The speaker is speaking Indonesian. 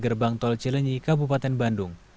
gerbang tol cilenyi kabupaten bandung